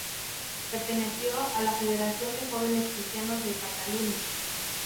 Perteneció a la Federación de Jóvenes Cristianos de Cataluña.